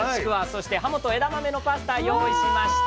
そして「はもと枝豆のパスタ」用意しました！